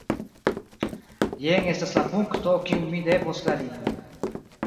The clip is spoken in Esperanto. Jen estas la punkto, kiun mi devos klarigi.